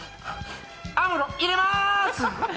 アムロ、入れまーす！